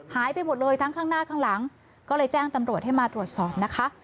หายไปหมดเลยทั้งข้างหน้าข้างหลังก็เลยแจ้งตำรวจให้มาตรวจสอบนะคะ